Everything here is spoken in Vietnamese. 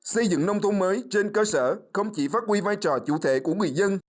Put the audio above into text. xây dựng nông thôn mới trên cơ sở không chỉ phát huy vai trò chủ thể của người dân